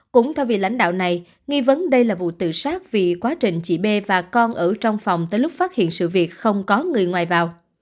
cũng theo vị lãnh đạo này nghi vấn đây là vụ tự sát vì quá trình chị b và con ở trong phòng tới lúc phát hiện sự việc không có người ngoài vào